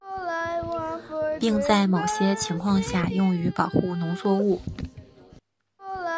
并在某些情况下用于保护农作物。